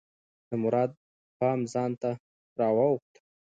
د مراد پام ځان ته راواووخته.